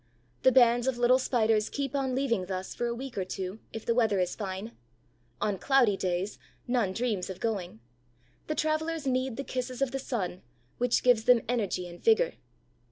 The bands of little Spiders keep on leaving thus for a week or two, if the weather is fine. On cloudy days, none dreams of going. The travelers need the kisses of the sun, which give them energy and vigor.